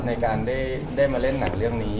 ในการได้มาเล่นหนังเรื่องนี้